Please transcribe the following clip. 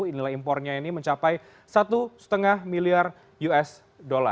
dan nilai impornya ini mencapai satu lima miliar usd